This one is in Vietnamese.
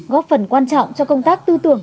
góp phần quan trọng cho công tác tư tưởng